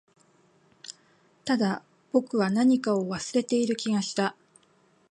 ただ、僕は何かを忘れている気がした